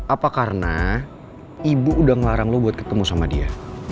apa karena ibu udah ngelarang lo buat ketemu sama dia